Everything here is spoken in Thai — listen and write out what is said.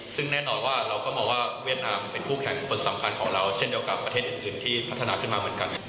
ซึ่งแน่นอนว่าเราก็มองว่าเวียดนามเป็นคู่แข่งคนสำคัญของเราเช่นเดียวกับประเทศอื่นที่พัฒนาขึ้นมาเหมือนกัน